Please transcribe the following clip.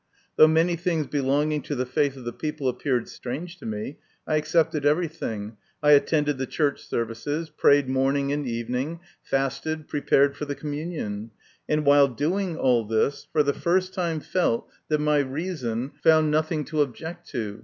Though many things belonging to the faith of the people appeared strange to me, I accepted everything, I attended the church services, prayed morning and evening, fasted, prepared for the communion ; and, while doing all this, for the first time felt that my reason 120 MY CONFESSION. found nothing to object to.